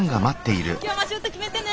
今日もシュート決めてね。